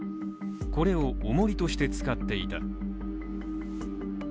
これを重りとして使っていた。